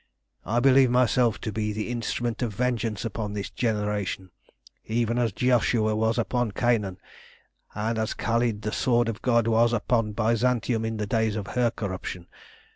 I believe myself to be the instrument of vengeance upon this generation, even as Joshua was upon Canaan, and as Khalid the Sword of God was upon Byzantium in the days of her corruption.